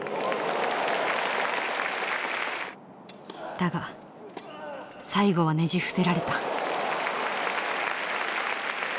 だが最後はねじ伏せられた。